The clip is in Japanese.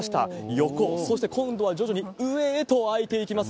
横、そして今度は徐々に上へと開いていきます。